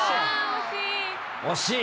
惜しい。